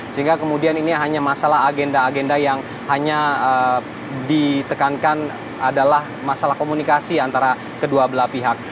sehingga kemudian ini hanya masalah agenda agenda yang hanya ditekankan adalah masalah komunikasi antara kedua belah pihak